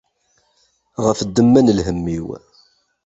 Ɣef ddemma n lhemm-iw.